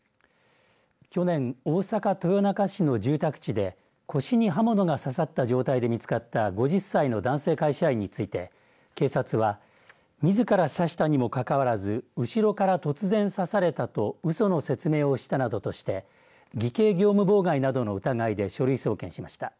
去年、大阪豊中市の住宅地で腰に刃物が刺さった状態で見つかった５０歳の男性会社員について警察はみずから刺したにもかかわらず後ろから突然刺されたとうその説明をしたなどとして偽計業務妨害などの疑いで書類送検しました。